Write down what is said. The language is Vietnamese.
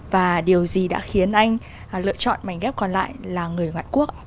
và điều gì đã khiến anh lựa chọn mảnh ghép còn lại là người ngoại quốc